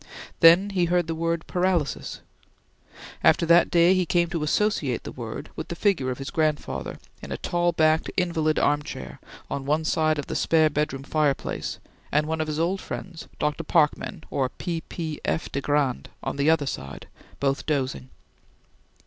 Then he heard the word paralysis. After that day he came to associate the word with the figure of his grandfather, in a tall backed, invalid armchair, on one side of the spare bedroom fireplace, and one of his old friends, Dr. Parkman or P. P. F. Degrand, on the other side, both dozing.